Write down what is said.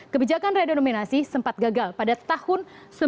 kebijakan redenominasi sempat gagal pada tahun seribu sembilan ratus sembilan puluh